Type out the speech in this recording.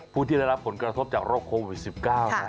ผู้ที่ได้รับผลกระทบจากโรคโควิด๑๙นะฮะ